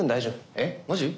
えっマジ？